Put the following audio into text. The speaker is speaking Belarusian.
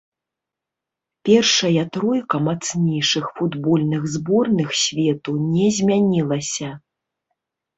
Першая тройка мацнейшых футбольных зборных свету не змянілася.